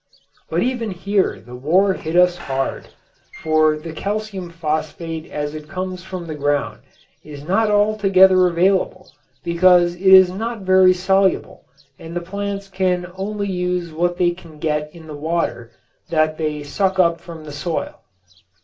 But even here the war hit us hard. For the calcium phosphate as it comes from the ground is not altogether available because it is not very soluble and the plants can only use what they can get in the water that they suck up from the soil.